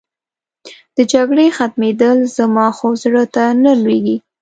د جګړې ختمېدل، زما خو زړه ته نه لوېږي.